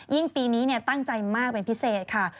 ยิ่งปีนี้เนี่ยตั้งใจมากเป็นพิเศษค่ะ